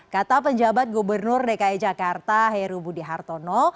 kata penjabat gubernur dki jakarta heru budi hartono